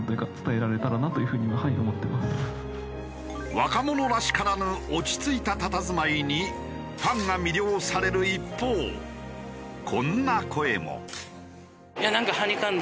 若者らしからぬ落ち着いたたたずまいにファンが魅了される一方こんな声も。